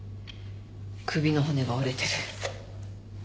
首の骨が折れてる。